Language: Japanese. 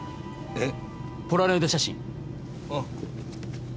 えっ？